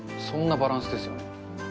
そんなバランスですよね。